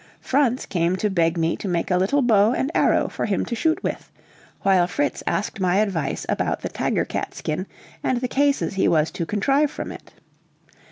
Franz came to beg me to make a little bow and arrow for him to shoot with, while Fritz asked my advice about the tiger cat skin and the cases he was to contrive from it.